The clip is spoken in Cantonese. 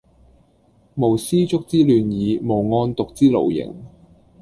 無絲竹之亂耳，無案牘之勞形